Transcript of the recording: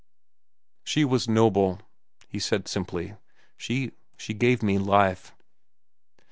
"She was noble," he said simply. "She gave me life."